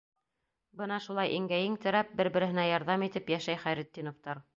Бына шулай иңгә-иң терәп, бер-береһенә ярҙам итеп йәшәй Хәйретдиновтар.